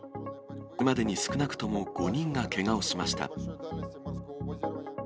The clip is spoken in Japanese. これまでに少なくとも５人がけがをしました。